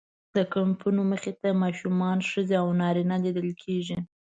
د کمپونو مخې ته ماشومان، ښځې او نارینه لیدل کېږي.